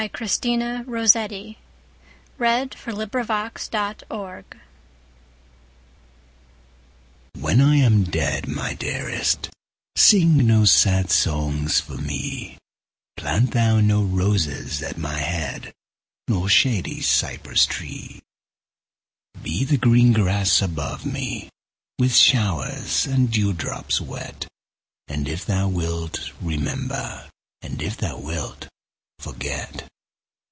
K L . M N . O P . Q R . S T . U V . W X . Y Z Song WHEN I am dead, my dearest, Sing no sad songs for me: Plant thou no roses at my head, Nor shady cypress tree: Be the green grass above me With showers and dewdrops wet; And if thou wilt, remember, And if thou wilt, forget.